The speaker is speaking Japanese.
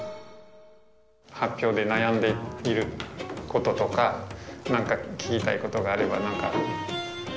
発表で悩んでいることとか何か聞きたいことがあれば何か。